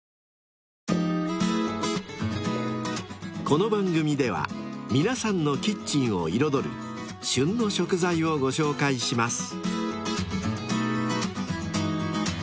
［この番組では皆さんのキッチンを彩る「旬の食材」をご紹介します］